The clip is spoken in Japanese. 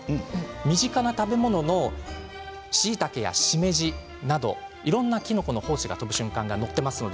身近な食べ物しいたけやしめじなどいろんなきのこの胞子が飛ぶ瞬間が載っています。